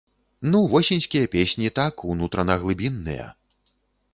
Ну восеньскія песні, так, унутрана-глыбінныя.